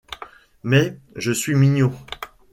Mais. .. je suis mignon.